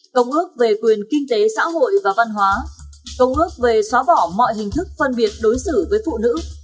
công ước về quyền kinh tế xã hội và văn hóa công ước về xóa bỏ mọi hình thức phân biệt đối xử với phụ nữ